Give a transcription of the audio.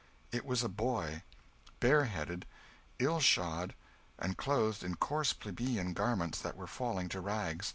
It was a boy, bareheaded, ill shod, and clothed in coarse plebeian garments that were falling to rags.